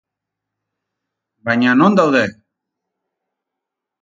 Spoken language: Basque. Baina, non daude?